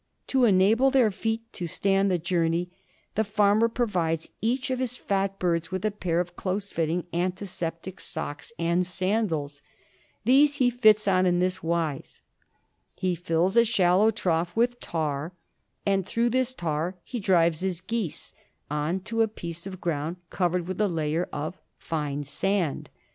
To enable their ANKYLOSTOMIASIS IN MINES. 23 feet to stand the journey, the farmer provides each of his fat birds with a pair of close fitting antiseptic socks and sandals. These he fits on in this wise. He fills a shallow trough with tar, and through this trough he drives his geese on to a piece of ground covered with a layer of fine sand.